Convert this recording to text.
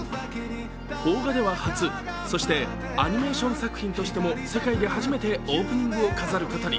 邦画では初、そしてアニメーション作品としても世界で初めてオープニングを飾ることに。